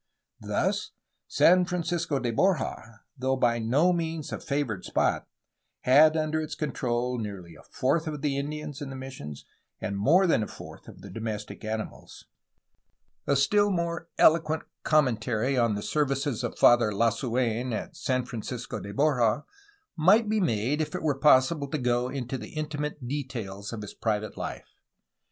Thus, San Francisco de Borja, though by no means a favored spot, had under its control nearly a fourth of the Indians in the missions and more than a fourth of the domestic animals. A still more eloquent commentary on the services of Father Lasuen at San Francisco de Borja might be made if it were possible to go into the intimate details of his private life.